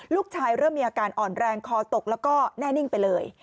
เริ่มมีอาการอ่อนแรงคอตกแล้วก็แน่นิ่งไปเลย